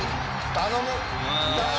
頼む！